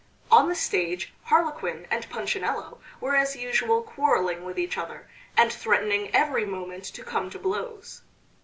On the stage Harlequin and Punchinello were as usual quarreling with each other, and threatening every moment to come to blows.